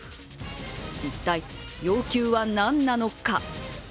一体、要求は何なのか。